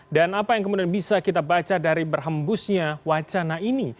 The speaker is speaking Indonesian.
dan apa yang kemudian bisa kita baca dari berhembusnya wacana ini